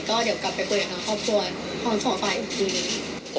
ก็เดี๋ยวกลับไปพูดกับทางครอบครัวพร้อมส่งฝ่ายอีกที